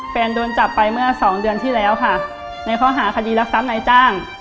แฟนโดนจับไปเมื่อสองเดือนที่แล้วค่ะในข้อหารักษัตริย์รักษัตริย์ไหนจ้าง